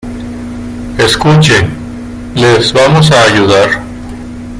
escuche, les vamos a ayudar.